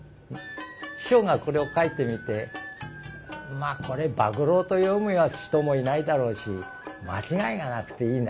師匠がこれを書いてみて「まあこれ伯楽と読む人もいないだろうし間違いがなくていいな。